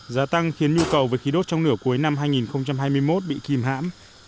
giá tăng khiến nhu cầu về khí đốt trong nửa cuối năm hai nghìn hai mươi một bị kìm hãm